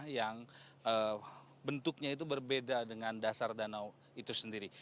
yang bentuknya itu berbeda dengan dasar danau itu sendiri